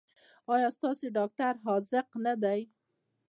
ایا ستاسو ډاکټر حاذق نه دی؟